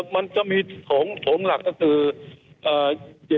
มันก็มีโถงหลักก็คือ